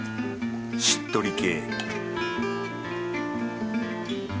しっとり系